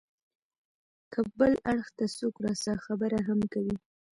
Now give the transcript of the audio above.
که بل اړخ ته څوک راسا خبره هم کوي.